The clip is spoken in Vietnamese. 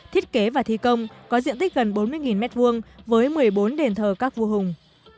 thiết kế và thi công có diện tích gần bốn mươi m hai với một mươi bốn đền thờ các vua hùng